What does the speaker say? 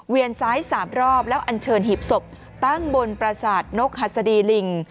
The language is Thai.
ซ้าย๓รอบแล้วอันเชิญหีบศพตั้งบนประสาทนกหัสดีลิง